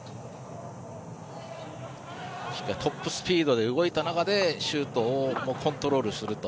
トップスピードで動いた中でシュートをコントロールすると。